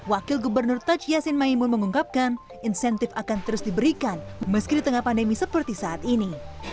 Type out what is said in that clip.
wakil gubernur taj yassin maimun mengungkapkan insentif akan terus diberikan meski di tengah pandemi seperti saat ini